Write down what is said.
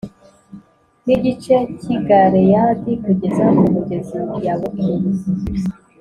N igice cy i galeyadi kugeza ku mugezi yaboki